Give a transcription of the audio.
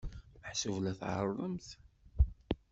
Meḥsub la tɛerrḍemt?